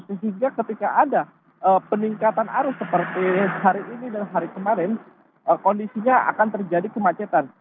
sehingga ketika ada peningkatan arus seperti hari ini dan hari kemarin kondisinya akan terjadi kemacetan